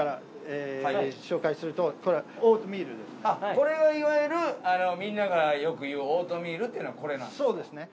これがいわゆるみんながよく言うオートミールってのはこれなんですか。